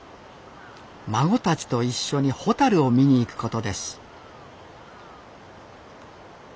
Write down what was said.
孫たちと一緒にホタルを見に行くことです